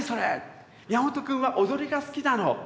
「宮本君は踊りが好きなの！」。